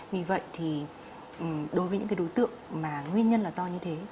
vì vậy thì đối với những cái đối tượng mà nguyên nhân là do như thế